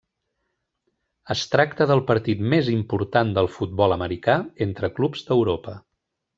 Es tracta del partit més important del futbol americà entre clubs d'Europa.